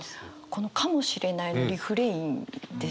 この「かもしれない」のリフレインですよね。